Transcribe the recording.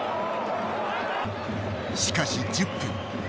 しかし１０分。